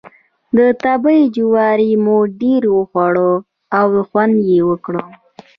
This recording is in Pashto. د تبۍ جواری مو ډېر وخوړ او خوند یې وکړ.